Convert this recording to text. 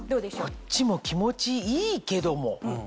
こっちも気持ちいいけども。